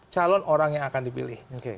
calon orang yang akan dipilih